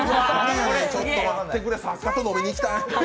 ちょっと待ってくれ、作家と飲みにいきたい。